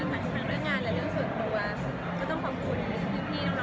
แต่กับเรื่องงานและเรื่องส่วนตัวก็ต้องความคุ้นพี่น้องนะคะ